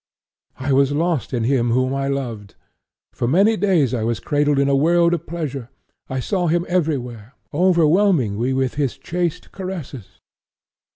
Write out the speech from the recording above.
I was lost in Him whom I loved. For many days I was cradled in a world of pleasure; I saw Him everywhere, overwhelming me with His chaste caresses.'